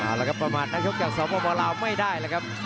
เอาละครับประมาณนักชกจากสองประมาณลาวไม่ได้เลยครับ